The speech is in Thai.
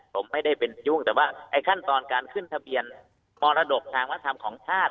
ผมไม่ได้เป็นยุ่งแต่ว่าไอ้ขั้นตอนการขึ้นทะเบียนมรดกทางวัฒนธรรมของชาติ